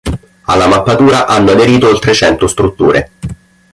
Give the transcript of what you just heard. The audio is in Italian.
Alla mappatura hanno aderito oltre cento strutture.